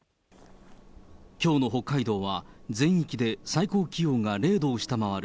きょうの北海道は全域で最高気温が０度を下回る